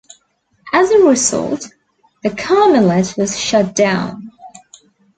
As a result, the Carmelit was shut down.